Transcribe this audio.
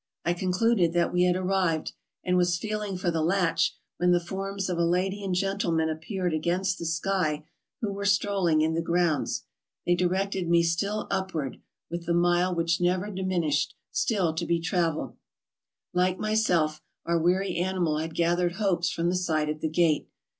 I concluded that we had arrived, and was feeling for the latch when the forms of a lady and gentleman appeared against the sky who were strolling in the grounds. They directed me still upward, with the mile which never diminished still to be traveled. Like myself, our weary animal had gathered hopes from the sight of the gate.